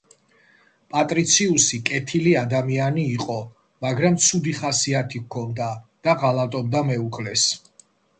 პატრიციუსი კეთილი ადამიანი იყო, მაგრამ ცუდი ხასიათი ჰქონდა და ღალატობდა მეუღლეს.